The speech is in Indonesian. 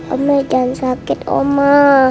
oma jangan sakit oma